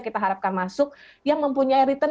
kita harapkan masuk yang mempunyai return